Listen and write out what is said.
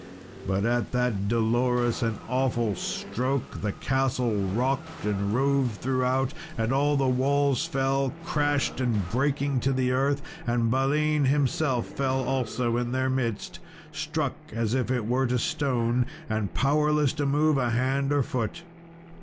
But at that Dolorous and awful Stroke the castle rocked and rove throughout, and all the walls fell crashed and breaking to the earth, and Balin himself fell also in their midst, struck as it were to stone, and powerless to move a hand or foot.